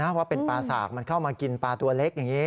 ว่าเป็นปลาสากมันเข้ามากินปลาตัวเล็กอย่างนี้